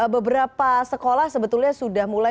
beberapa sekolah sebetulnya sudah mulai